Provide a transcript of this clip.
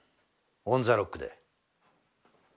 オンザロックで。